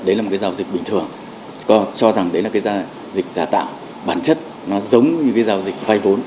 đấy là một cái giao dịch bình thường cho rằng đấy là cái dịch giả tạo bản chất nó giống như cái giao dịch vay vốn